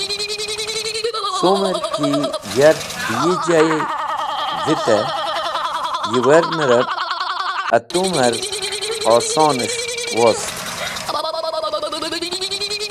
Cumẽr ki yark dẽ yi jay vitẽr yiwernẽb atumẽr osones̃h wost.